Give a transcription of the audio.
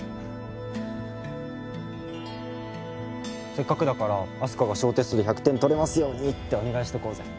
せっかくだから明日香が小テストで１００点取れますようにってお願いしてこうぜ。